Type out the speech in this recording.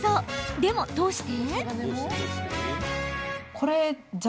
でも、どうして？